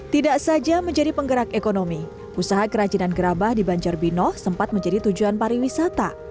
tidak saja menjadi penggerak ekonomi usaha kerajinan gerabah di banjarbinoh sempat menjadi tujuan pariwisata